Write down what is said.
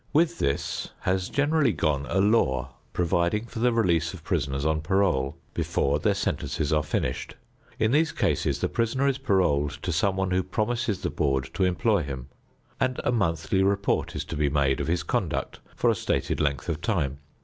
With this has generally gone a law providing for the release of prisoners on parole before their sentences are finished. In these cases the prisoner is paroled to someone who promises the board to employ him, and a monthly report is to be made of his conduct for a stated length of time.